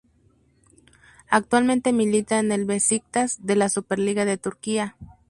Actualmente milita en el Beşiktaş de la Superliga de Turquía.